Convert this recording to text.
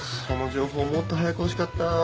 その情報もっと早く欲しかった。